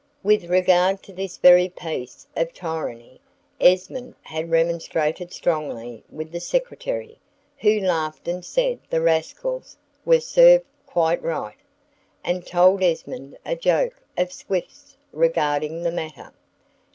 With regard to this very piece of tyranny, Esmond had remonstrated strongly with the Secretary, who laughed and said the rascals were served quite right; and told Esmond a joke of Swift's regarding the matter.